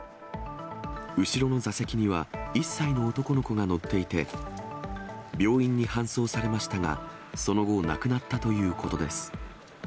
後ろの座席には、１歳の男の子が乗っていて、病院に搬送されましたが、その後、亡くなったということです。